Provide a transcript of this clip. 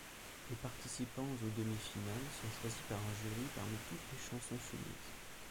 Les participants aux demi-finales sont choisis par un jury parmi toutes les chansons soumises.